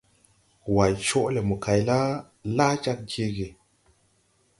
Way coʼ le mokay la, laa jag jeege.